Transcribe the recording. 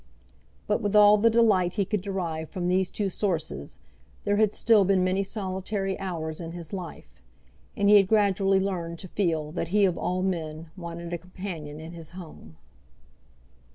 But, with all the delight he could derive from these two sources, there had still been many solitary hours in his life, and he had gradually learned to feel that he of all men wanted a companion in his home.